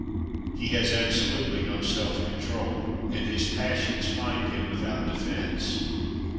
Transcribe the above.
He has absolutely no self control and his passions find him without defence.